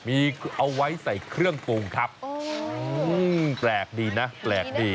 มีเอาไว้ใส่เครื่องปรุงครับแปลกดีนะแปลกดี